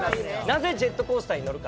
なぜジェットコースターに乗るか？